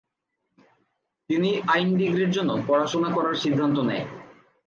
তিনি আইন ডিগ্রির জন্য পড়াশোনা করার সিদ্ধান্ত নেয়।